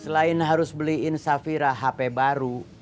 selain harus beliin safira hp baru